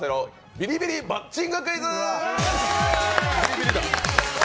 ビリビリマッチングクイズ！